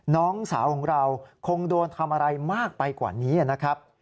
น้องสาวของเราคงโดนทำอะไรมากไปกว่านี้นะครับ